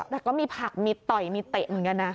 แต่ก็มีผักมีต่อยมีเตะเหมือนกันนะ